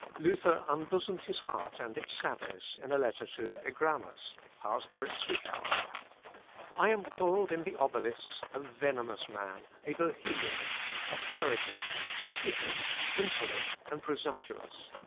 Luther unbosomed his heart and its sadness, in a letter to Egranus, pastor at Zwickau "I am called in the Obelisks a venomous man, a Bohemian, a heretic, seditious, insolent, and presumptuous....